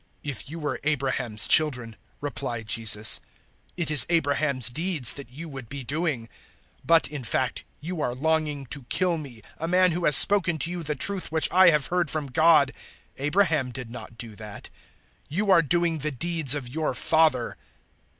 "If you were Abraham's children," replied Jesus, "it is Abraham's deeds that you would be doing. 008:040 But, in fact, you are longing to kill me, a man who has spoken to you the truth which I have heard from God. Abraham did not do that. 008:041 You are doing the deeds of your father."